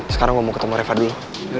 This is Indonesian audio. sekarang gue mau ketemu reva dulu